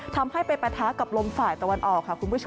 ทำให้เป็นประทักษ์ด้วยแรงที่แต่วันออกค่ะ